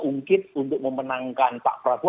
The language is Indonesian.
ungkit untuk memenangkan pak prabowo